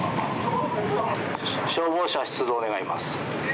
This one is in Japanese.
消防車出動願います。